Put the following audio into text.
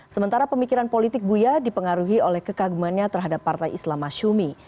sementara pemikiran politik buya dipengaruhi oleh kekagumannya terhadap partai islam masyumi